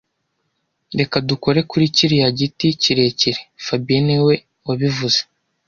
Reka dukore kuri kiriya giti kirekire fabien niwe wabivuze